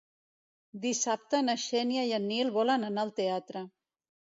Dissabte na Xènia i en Nil volen anar al teatre.